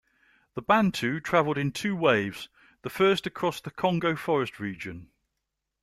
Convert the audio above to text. The Bantu traveled in two waves, the first across the Congo forest region.